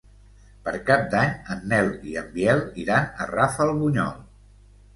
Per Cap d'Any en Nel i en Biel iran a Rafelbunyol.